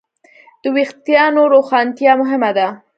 د وېښتیانو روښانتیا مهمه ده.